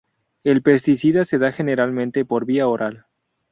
El pesticida se da generalmente por vía oral.